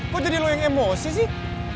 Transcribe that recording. kok jadi lo yang emosi sih